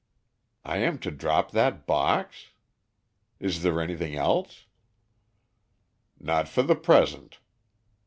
"I am to drop that box. Is there anything else?" "Not for the present.